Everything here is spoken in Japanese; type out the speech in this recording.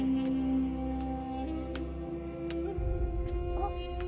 あっ。